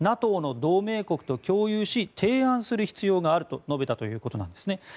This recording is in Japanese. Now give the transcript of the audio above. ＮＡＴＯの同盟国と共有し提案する必要があると述べたということです。